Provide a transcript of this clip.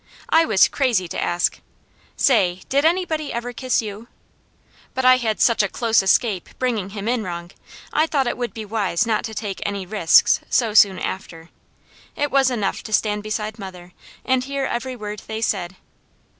I was crazy to ask, "Say, did anybody ever kiss you?" but I had such a close escape bringing him in wrong, I thought it would be wise not to take any risks so soon after. It was enough to stand beside mother, and hear every word they said.